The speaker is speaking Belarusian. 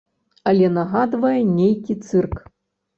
Але нагадвае нейкі цырк.